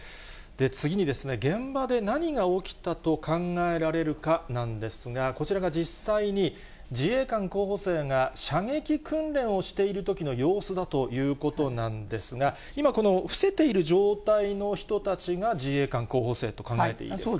次にですね、現場で何が起きたと考えられるかなんですが、こちらが実際に自衛官候補生が、射撃訓練をしているときの様子だということなんですが、今、この伏せている状態の人たちが自衛官候補生と考えていいですか？